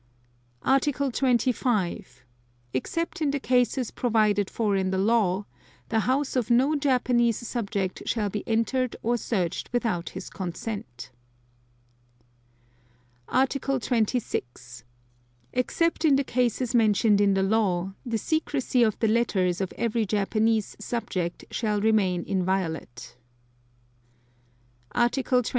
Article 25. Except in the cases provided for in the law, the house of no Japanese subject shall be entered or searched without his consent. Article 26. Except in the cases mentioned in the law, the secrecy of the letters of every Japanese subject shall remain inviolate. Article 27.